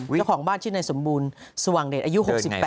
เจ้าของบ้านชื่อนายสมบูรณ์สว่างเดชอายุ๖๘